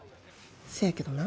せやけどな